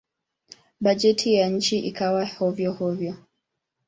Bajeti ya nchi ikawa hovyo-hovyo.